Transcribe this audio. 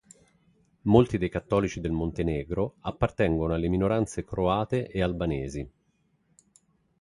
Molti dei cattolici del Montenegro appartengono alle minoranze croate e albanesi.